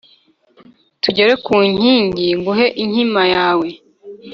tugere ku nkingi nguhe inkima yawe